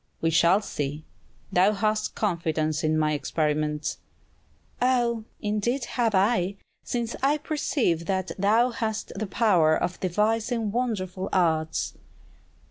"We shall see. Thou hast confidence in my experiments." "Ah, indeed have I; since I perceive that thou hast the power of devising wonderful arts!"